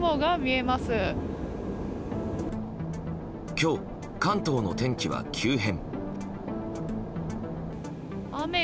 今日、関東の天気は急変。